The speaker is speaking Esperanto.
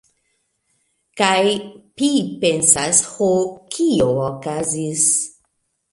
Kaj pi pensas, ho, kio okazis?